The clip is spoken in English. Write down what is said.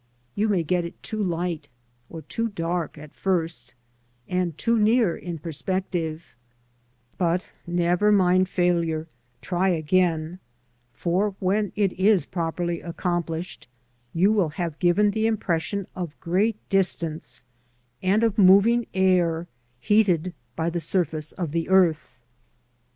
You may get it too light or too dark at first, and too near in perspective; but never mind failure, try again, for when it is properly accomplished you will have given the impression of great distance, and of moving air, heated by the surface of the earth.